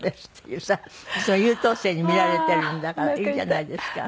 いつも優等生に見られてるんだからいいじゃないですか。